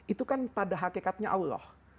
itu kan pada hakikatnya allah